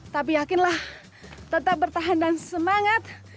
tapi yakinlah tetap bertahan dan semangat